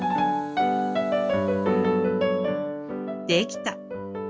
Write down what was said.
できた！